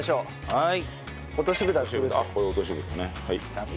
はい。